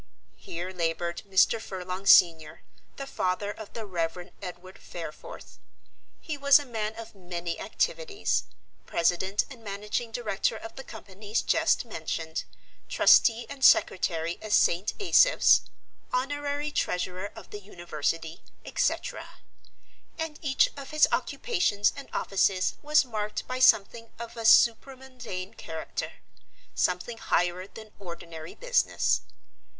Here laboured Mr. Furlong senior, the father of the Rev. Edward Fareforth. He was a man of many activities; president and managing director of the companies just mentioned, trustee and secretary of St. Asaph's, honorary treasurer of the university, etc.; and each of his occupations and offices was marked by something of a supramundane character, something higher than ordinary business.